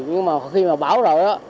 nhưng mà khi mà bão rồi